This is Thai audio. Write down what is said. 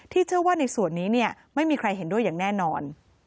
เชื่อว่าในส่วนนี้ไม่มีใครเห็นด้วยอย่างแน่นอน